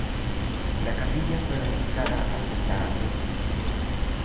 La capilla fue dedicada a Santa Ana.